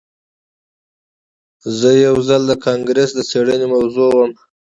زه یو ځل د کانګرس د څیړنې موضوع وم